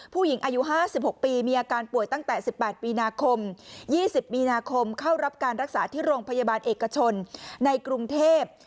ผู้หญิงอายุ๕๖ปีมีอาการป่วยตั้งแต่๑๘มีนาคม๒๐มีนาคมเข้ารับการรักษาที่โรงพยาบาลเอกชนในกรุงเทพ